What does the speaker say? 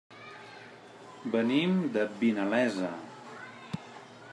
Venim de Vinalesa.